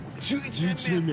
１１年目。